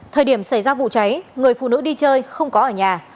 thời điểm xảy ra vụ cháy người phụ nữ đi chơi không có ở nhà